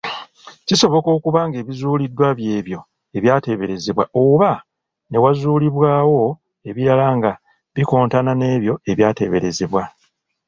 Kisoboka okuba ng’ebizuuliddwa by’ebyo ebyateeberezebwa, oba ne wazuulibwawo ebirala nga bikontana n’ebyo ebyateeberezebwa.